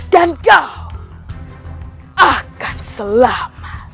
dan kau akan selamat